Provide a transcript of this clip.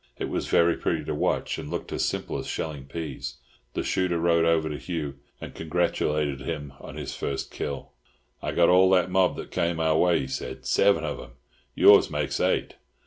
It was very pretty to watch, and looked as simple as shelling peas. The shooter rode over to Hugh, and congratulated him on his first kill. "I got all that mob that came our way," he said, "seven of 'em. Yours makes eight.